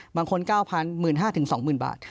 บางคน๙๐๐๐๑๕๐๐๐ถึง๒๐๐๐๐บาท